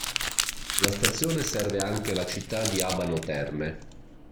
La stazione serve anche la città di Abano Terme.